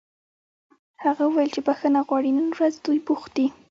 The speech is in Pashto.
هغه وویل چې بښنه غواړي نن ورځ دوی بوخت دي